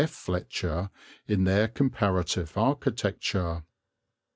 Fletcher in their Comparative Architecture.